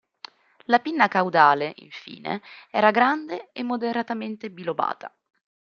La pinna caudale, infine, era grande e moderatamente bilobata.